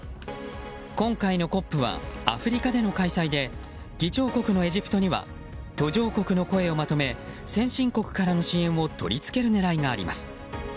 今回のＣＯＰはアフリカでの開催で議長国のエジプトには途上国の声をまとめ先進国からの支援を取り付ける狙いがあります。